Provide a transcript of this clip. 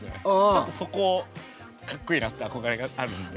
ちょっとそこかっこいいなって憧れがあるんで。